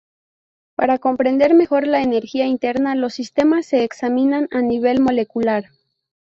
Para comprender mejor la energía interna, los sistemas se examinan a nivel molecular.